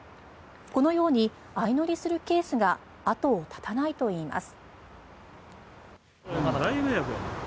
このように相乗りするケースが後を絶たないといいます。